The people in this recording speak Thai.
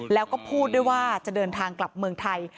แล้วก็พูดด้วยว่าจะเดินทางกลับเมืองไทย